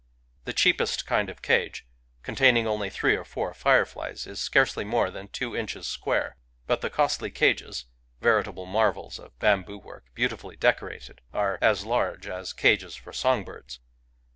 The cheapest kind of cage, containing only three or four fireflies, is scarcely more than two inches square ; but the costly cages — veritable marvels of bamboo work, beautifolly decorated — are as large as cages for song birds.